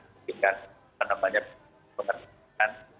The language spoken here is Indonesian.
mungkin kan banyak banyak pengertian